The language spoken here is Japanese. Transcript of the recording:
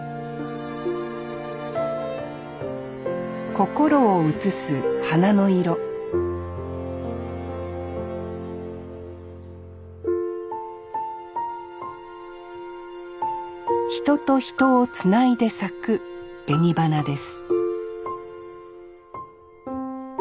心を映す花の色人と人をつないで咲く紅花です